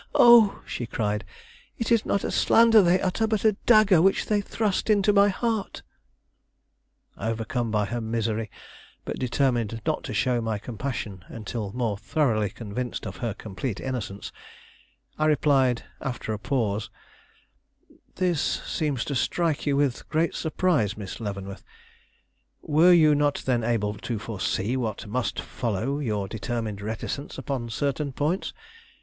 Oh!" she cried, "it is not a slander they utter, but a dagger which they thrust into my heart!" Overcome by her misery, but determined not to show my compassion until more thoroughly convinced of her complete innocence, I replied, after a pause: "This seems to strike you with great surprise, Miss Leavenworth; were you not then able to foresee what must follow your determined reticence upon certain points?